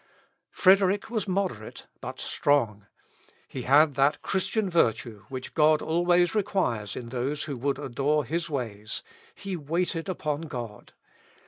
Frederick was moderate but strong. He had that Christian virtue which God always requires in those who would adore his ways he waited upon God.